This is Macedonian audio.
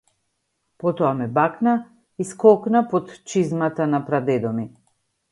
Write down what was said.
Потоа ме бакна и скокна под чизмата на прадедо ми.